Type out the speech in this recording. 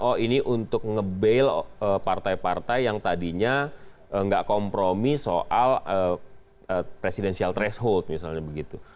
oh ini untuk nge bail partai partai yang tadinya nggak kompromi soal presidensial threshold misalnya begitu